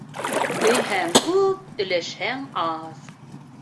Өйһәң күп, өләшһәң аҙ.